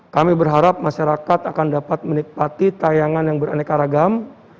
kami berharap masyarakat akan dapat menikmati tayangan yang beraneka ragam